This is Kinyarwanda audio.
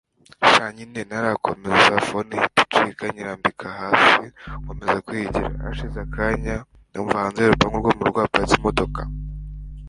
sha nyine.. ntarakomeza phone ihita icika nyirambika hasi nkomeza kwiyigira. hashize akanya numva hanze yurupangu rwo murugo haparitse imodoka